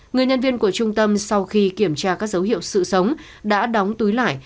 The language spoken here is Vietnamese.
người nhân viên của trung tâm sau khi kiểm tra các dấu hiệu sự sống đã đóng túi lại